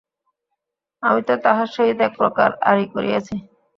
আমি তো তাহার সহিত একপ্রকার আড়ি করিয়াছি।